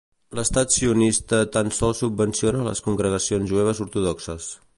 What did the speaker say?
L'estat sionista tan sols subvenciona a les congregacions jueves ortodoxes.